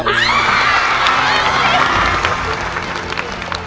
ร้องได้ครับ